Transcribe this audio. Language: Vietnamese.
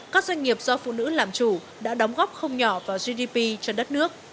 các doanh nghiệp do phụ nữ làm chủ đã đóng góp không nhỏ vào gdp cho đất nước